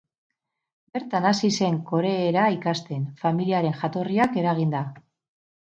Bertan hasi zen koreera ikasten, familiaren jatorriak eraginda.